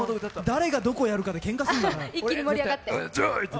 誰がどこやるかでけんかするから。